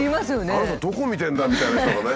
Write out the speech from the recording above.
あの人どこ見てるんだみたいな人がね。